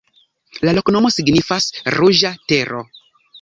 La loknomo signifas: ruĝa tero.